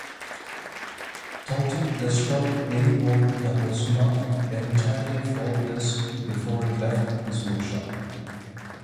Tourte destroyed any bow that was not entirely faultless before it left his workshop.